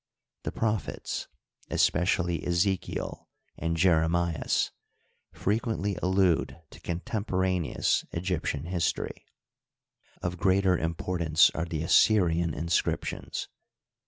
The proph ets, especially Ezekiel and Jeremias, frequently allude to contemporaneous Egyptian history. Of greater impor tance are the Assyrian inscriptions.